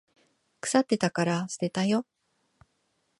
腐ってたから捨てたよ。